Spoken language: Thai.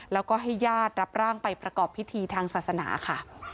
แล้วก็ให้ญาติรับร่างไปประกอบพิธีทางศาสนาค่ะ